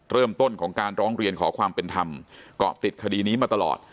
เริ่มต้นของการร้องเรียนขอความเป็นธรรมเกาะติดคดีนี้มาตลอด